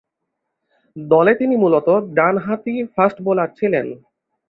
দলে তিনি মূলতঃ ডানহাতি ফাস্ট বোলার ছিলেন।